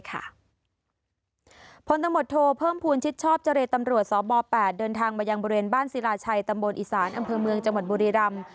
ผลตำรวจโทเพิ่มภูมิชิดชอบเจรตำรวจสบ๘เดินทางมายังบริเวณบ้านศิราชัยตำบลอีสานอำเภอเมืองจังหวัดบุรีรำ